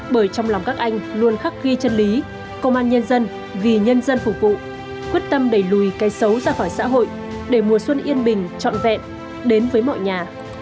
bởi trong lòng các anh luôn khắc ghi chân lý công an nhân dân vì nhân dân phục vụ quyết tâm đẩy lùi cái xấu ra khỏi xã hội để mùa xuân yên bình trọn vẹn đến với mọi nhà